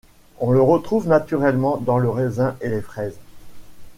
On le trouve naturellement dans le raisin et les fraises.